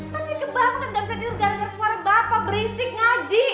tapi kebangunan gak bisa tidur gara gara suara bapak berisik ngaji